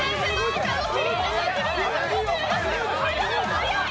速い！